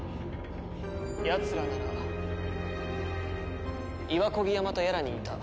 やつらなら岩漕山とやらにいた。